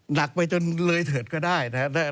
หนักไปจนเลยเถิดก็ได้